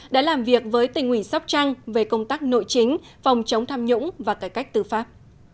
đã làm việc với tỉnh ủy sóc trăng về công tác nội chính phòng chống tham nhũng và cải cách tư pháp